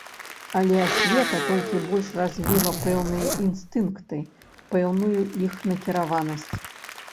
Але асвета толькі больш развіла пэўныя інстынкты, пэўную іх накіраванасць.